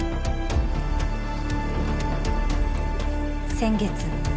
先月。